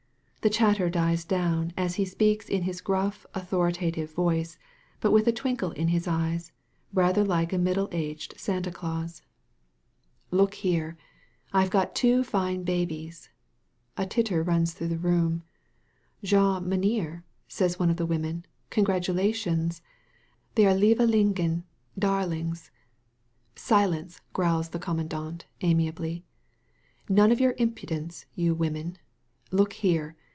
The chatter dies down, as he speaks in his gruff authoritative voice, but with a twinkle in his eyes, rather l^e a middle aged Santa Claus. 34 A CITY OF REFUGE "Look here ! I've got two fine babies/* A titter runs through the room. *Va, MerCeeTy^ says one of the women, "con gratulations ! They are lievelingm — darlings !'' "Silence!*' growls the commandant amiably. None of your impudence, you women. Look here